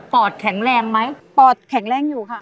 อดแข็งแรงไหมปอดแข็งแรงอยู่ค่ะ